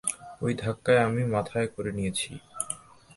ঐ ধাক্কা আমি মাথায় করে নিয়েছি।